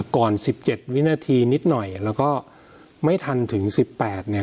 ๑๗วินาทีนิดหน่อยแล้วก็ไม่ทันถึง๑๘เนี่ย